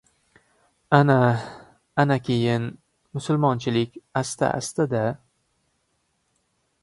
— Ana, anakayin. Musulmonchilik asta-asta-da…